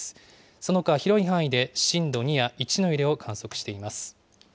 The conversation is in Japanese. そのほか広い範囲で震度２や１の揺れを観測しています。